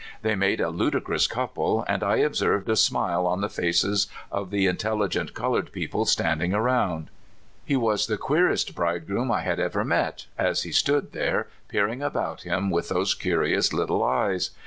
They made a ludicrous couple, and I observed a smile on the faces of the intelligent colored people standing around. He was the queerest bride groom I had ever met, as he stood there peering about him with those curious little eyes.